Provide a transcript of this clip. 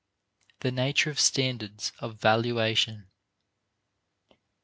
The nature of standards of valuation.